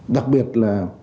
đặc biệt là